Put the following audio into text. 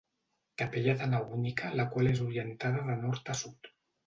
Capella de nau única la qual és orientada de nord a sud.